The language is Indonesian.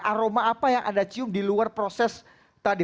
aroma apa yang anda cium di luar proses tadi